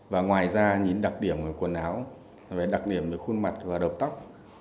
và ngoài ra nhìn đặc điểm của quần áo đặc điểm của khuôn mặt và đầu tóc